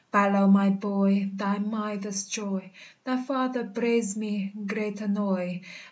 Balow, my boy, thy mither's joy! Thy father breides me great annoy.